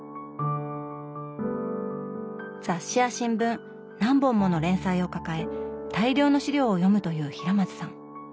雑誌や新聞何本もの連載を抱え大量の資料を読むという平松さん。